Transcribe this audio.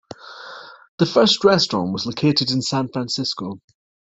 The first restaurant was located in San Francisco.